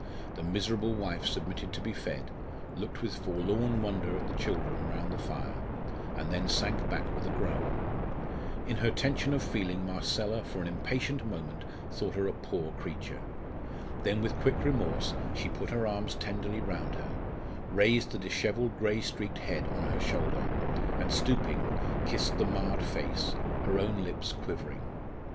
The miserable wife submitted to be fed, looked with forlorn wonder at the children round the fire, and then sank back with a groan. In her tension of feeling Marcella for an impatient moment thought her a poor creature. Then with quick remorse she put her arms tenderly round her, raised the dishevelled grey streaked head on her shoulder, and stooping, kissed the marred face, her own lips quivering.